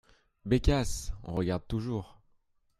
Bécasse ! on regarde toujours.